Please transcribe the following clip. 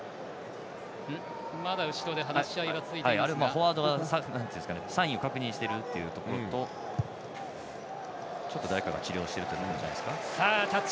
フォワードがサインを確認していたのとちょっと誰かが治療している感じじゃないですかね。